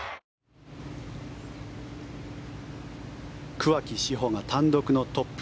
桑木志帆が単独のトップ。